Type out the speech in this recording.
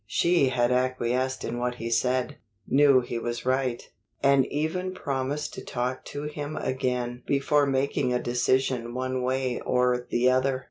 She had acquiesced in what he said, knew he was right, and even promised to talk to him again before making a decision one way or the other.